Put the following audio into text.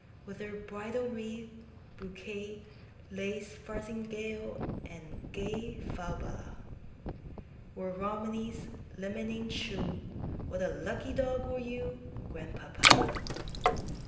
With her bridal wreath, bouquet, Lace farthingale, and gayFalbala, Were Romney's limning true, What a lucky dog were you, Grandpapa!